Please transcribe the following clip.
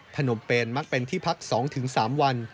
นมเปนมักเป็นที่พัก๒๓วัน